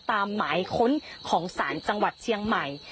หมายค้นของศาลจังหวัดเชียงใหม่